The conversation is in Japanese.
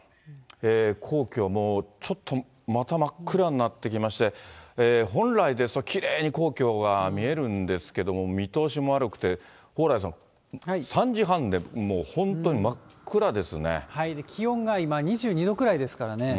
皇居も、ちょっとまた真っ暗になってきまして、本来ですと、きれいに皇居が見えるんですけども、見通しも悪くて、蓬莱さん、３時半で、気温が今、２２度くらいですからね。